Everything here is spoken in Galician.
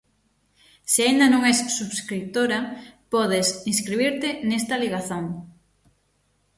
Se aínda non es subscritora, podes inscribirte nesta ligazón.